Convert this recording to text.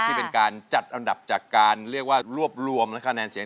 ที่เป็นการจัดอันดับจากการเรียกว่ารวบรวมและคะแนนเสียง